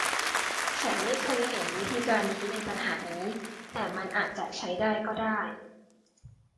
ฉันไม่เคยเห็นวิธีการนี้ในปัญหานี้ แต่มันอาจจะใช้ได้ก็ได้